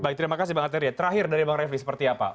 baik terima kasih bang arteria terakhir dari bang refli seperti apa